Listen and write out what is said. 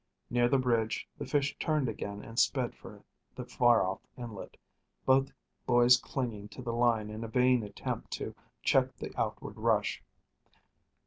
Near the bridge the fish turned again and sped for the far off inlet, both boys clinging to the line in a vain attempt to check the outward rush.